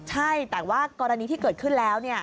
ใช่แต่ว่ากรณีที่เกิดขึ้นแล้ว